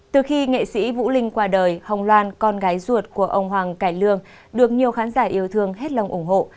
từ khi nghệ sĩ vũ linh qua đời hồng loan con gái ruột của ông hoàng cải lương được nhiều khán giả yêu thương hết lòng ủng hộ